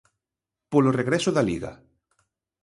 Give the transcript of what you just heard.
Polo regreso da Liga.